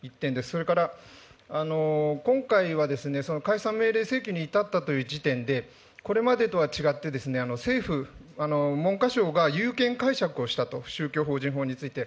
それから今回はですね、解散命令請求に至ったという時点で、これまでとは違って、政府、文科省が有権解釈をしたと、宗教法人法について。